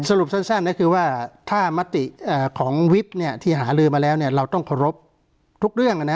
สรุปสั้นก็คือว่าถ้ามติของวิบที่หาลือมาแล้วเราต้องเคารพทุกเรื่อง